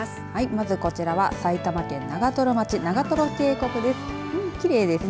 まずこちらは埼玉県長瀞町、長瀞渓谷です。